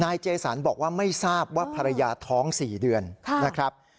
เจสันบอกว่าไม่ทราบว่าภรรยาท้อง๔เดือนนะครับ